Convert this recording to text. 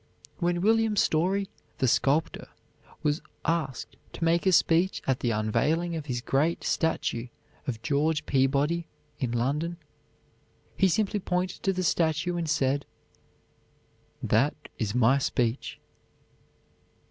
When William Story, the sculptor, was asked to make a speech at the unveiling of his great statue of George Peabody, in London, he simply pointed to the statue and said, "_That is my speech.